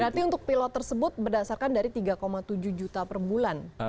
berarti untuk pilot tersebut berdasarkan dari tiga tujuh juta per bulan